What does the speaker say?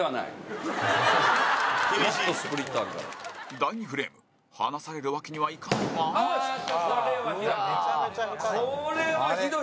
第２フレーム離されるわけにはいかないが後藤：これは、ひどい。